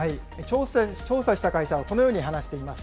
調査した会社はこのように話しています。